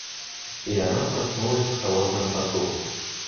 И она проснулась в холодном поту.